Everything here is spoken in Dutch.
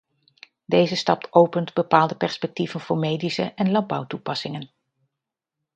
Deze stap opent bepaalde perspectieven voor medische en landbouwtoepassingen.